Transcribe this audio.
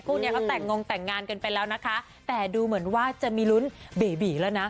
คู่นี้เขาแต่งงแต่งงานกันไปแล้วนะคะแต่ดูเหมือนว่าจะมีลุ้นเบบีบีแล้วนะ